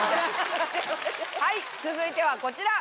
はい続いてはこちら。